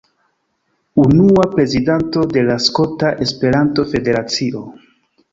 Unua prezidanto de la Skota Esperanto-Federacio.